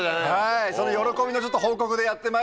その喜びの報告でやってまいりました。